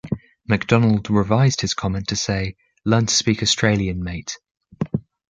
Macdonald revised his comment to say "learn to speak Australian, mate".